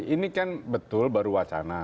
ini kan betul baru wacana